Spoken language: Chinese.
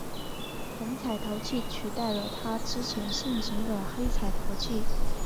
红彩陶器取代了在它之前盛行的黑彩陶器。